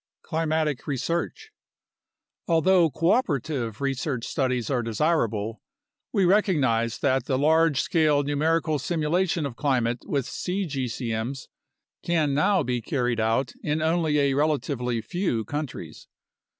Climatic Research Although cooperative research studies are desirable, we recognize that the large scale numerical simulation of climate with cgcm's can now be carried out in only a relatively few countries.